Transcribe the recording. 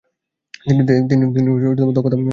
তিনি দক্ষতা অর্জন করেন।